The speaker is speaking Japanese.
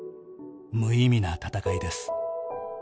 「無意味な闘いです」